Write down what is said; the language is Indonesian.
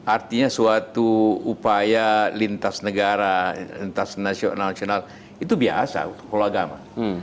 artinya suatu upaya lintas negara lintas nasional nasional itu biasa kalau agama